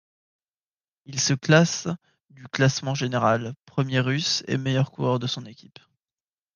Il se classe du classement général, premier Russe et meilleur coureur de son équipe.